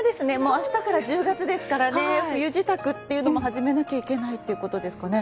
明日から１０月ですから冬支度というのも始めなきゃいけないということですね。